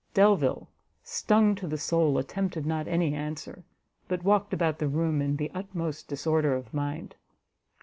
Delvile, stung to the soul, attempted not any answer, but walked about the room in the utmost disorder of mind.